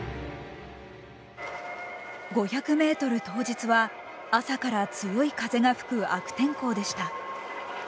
５００ｍ当日は朝から強い風が吹く悪天候でした。